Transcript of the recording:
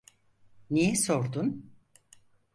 Niye sordun?